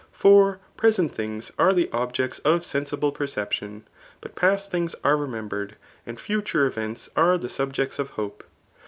For pie isent things are the objects of sensible perception, but past things are remembered, and future events are die subjects of hope.